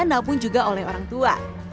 maupun juga oleh orang tua